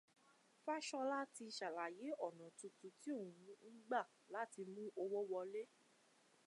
Fáshọlá ti ṣàlàyé ọ̀nà tuntun tí òun ń gbà láti mú owó wọlé.